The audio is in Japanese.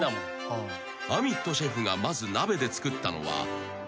［アミットシェフがまず鍋で作ったのは］